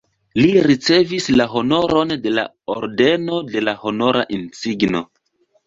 Li ricevis la honoron de la Ordeno de la Honora Insigno.